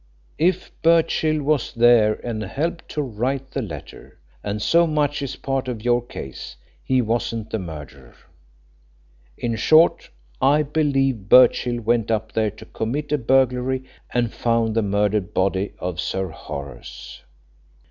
If Birchill was there and helped to write the letter and so much is part of your case he wasn't the murderer. In short, I believe Birchill went up there to commit a burglary and found the murdered body of Sir Horace."